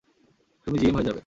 তুমি জিএম হয়ে যাবে।